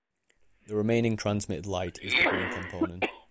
The remaining transmitted light is the green component.